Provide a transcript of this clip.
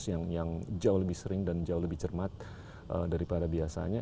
yang jauh lebih sering dan jauh lebih cermat daripada biasanya